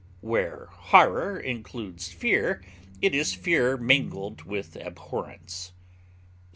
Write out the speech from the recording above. Where horror includes fear, it is fear mingled with abhorrence.